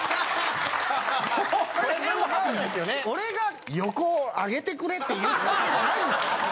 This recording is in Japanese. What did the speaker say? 俺が横を上げてくれって言った訳じゃないんですよ。